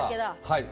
はい。